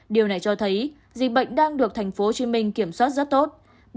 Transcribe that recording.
điều này cho thấy dịch bệnh đang được thành phố hồ chí minh kiểm soát rất tốt